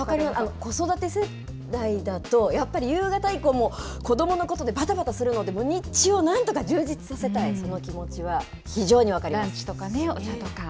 子育て世代だと、やっぱり夕方以降も子どものことでばたばたするので、日中をなんとか充実させたい、その気持ちは非常に分かりまランチとかお茶とか。